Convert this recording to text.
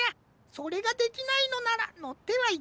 それができないのならのってはいかんよ。